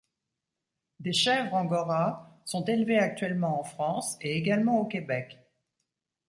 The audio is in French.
Des chèvres angora sont élevées actuellement en France et également au Québec.